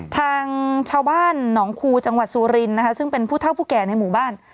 ทางชาวบ้านหนองคูจังหวัดสุรินนะคะซึ่งเป็นผู้เท่าผู้แก่ในหมู่บ้าน